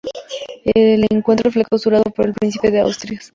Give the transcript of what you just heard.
El encuentro fue clausurado por el Príncipe de Asturias.